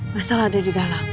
mas al ada di dalam